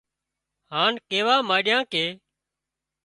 هانَ ڪيوا مانڏيان ڪي